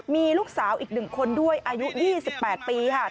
มีลูกสาวอีกหนึ่งคนด้วยอายุ๒๘ปีครับ